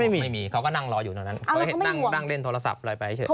ไม่มีเขาก็นั่งรออยู่ตรงนั้นเขาเห็นนั่งเล่นโทรศัพท์อะไรไปเฉย